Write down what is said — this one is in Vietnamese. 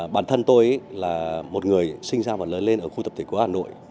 bản thân tôi là một người sinh ra và lớn lên ở khu tập thể của hà nội